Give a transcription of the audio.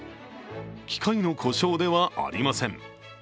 機械の故障ではありません。